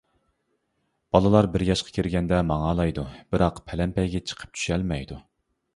بالىلار بىر ياشقا كىرگەندە ماڭالايدۇ، بىراق پەلەمپەيگە چىقىپ چۈشەلمەيدۇ.